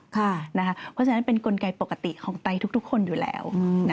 เพราะฉะนั้นเป็นกลไกปกติของไตทุกคนอยู่แล้ว